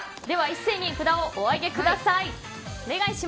では一斉に札をお上げください。